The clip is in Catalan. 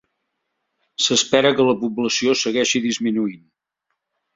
S'espera que la població segueixi disminuint.